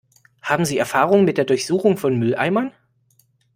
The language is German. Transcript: Haben Sie Erfahrung mit der Durchsuchung von Mülleimern?